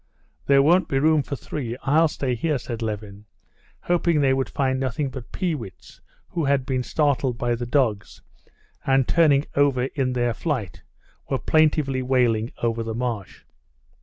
"There won't be room for three. I'll stay here," said Levin, hoping they would find nothing but peewits, who had been startled by the dogs, and turning over in their flight, were plaintively wailing over the marsh.